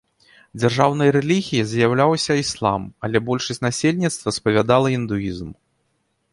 Дзяржаўнай рэлігіяй з'яўляўся іслам, але большасць насельніцтва спавядала індуізм.